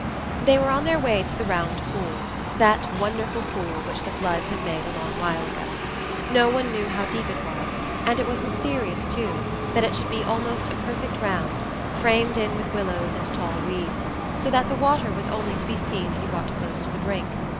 They were on their way to the Round Pool,—that wonderful pool, which the floods had made a long while ago. No one knew how deep it was; and it was mysterious, too, that it should be almost a perfect round, framed in with willows and tall reeds, so that the water was only to be seen when you got close to the brink.